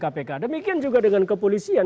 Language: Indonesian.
kpk demikian juga dengan kepolisian